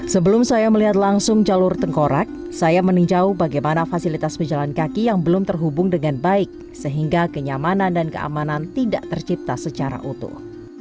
sebelum saya melihat langsung jalur tengkorak saya meninjau bagaimana fasilitas pejalan kaki yang belum terhubung dengan baik sehingga kenyamanan dan keamanan tidak tercipta secara utuh